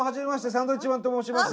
サンドウィッチマンと申します。